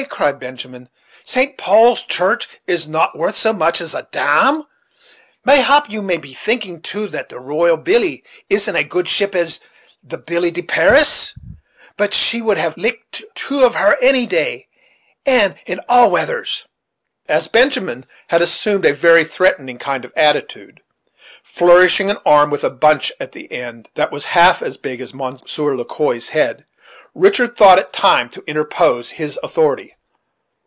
cried Benjamin; "St. Paul's church is not worth so much as a damn! Mayhap you may be thinking too that the Royal Billy isn't so good a ship as the Billy de Paris; but she would have licked two of her any day, and in all weathers." As Benjamin had assumed a very threatening kind of attitude, flourishing an arm with a bunch at the end of it that was half as big as Monsieur Le Quoi's head, Richard thought it time to interpose his authority.